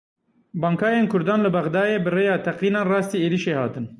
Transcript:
Bankayên Kurdan li Bexdayê bi rêya teqînan rastî êrişê hatin.